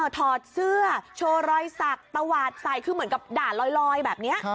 ถอดเสื้อโชว์รอยสักตวาดใส่คือเหมือนกับด่าลอยแบบนี้